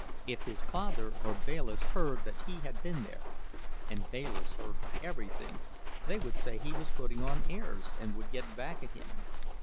If his father or Bayliss heard that he had been there and Bayliss heard everything they would say he was putting on airs, and would get back at him.